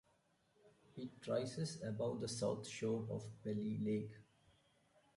It rises above the south shore of Pelly Lake.